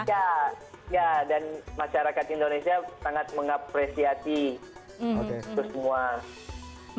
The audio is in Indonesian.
ya ya dan masyarakat indonesia sangat mengapresiasi itu semua